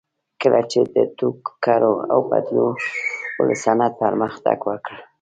کله چې د ټوکر اوبدلو صنعت پرمختګ وکړ